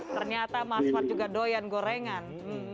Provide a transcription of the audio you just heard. ternyata mas fad juga doyan gorengan